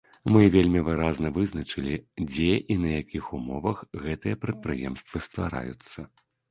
Мы вельмі выразна вызначылі, дзе і на якіх умовах гэтыя прадпрыемствы ствараюцца.